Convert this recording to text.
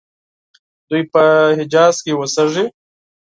دوی په حجاز کې اوسیږي.